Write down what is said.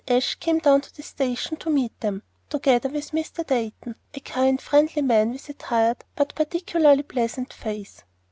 Ashe came down to the station to meet them, together with Mr. Dayton, a kind, friendly man with a tired but particularly pleasant face.